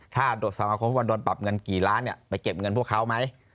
ถ้าโดนสมาคมว่าโดนปรับเงินกี่ล้านไปเก็บเงินพวกเขาไหม